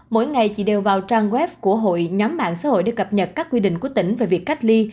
mỗi ngày chị đều vào trang web của hội nhóm mạng xã hội để cập nhật các quy định của tỉnh về việc cách ly